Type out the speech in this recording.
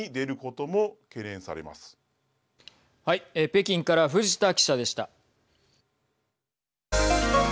北京から藤田記者でした。